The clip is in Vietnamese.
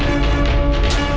thì mất luôn